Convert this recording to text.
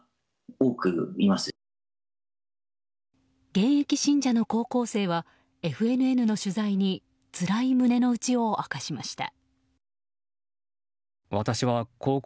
現役信者の高校生はＦＮＮの取材につらい胸の内を明かしました。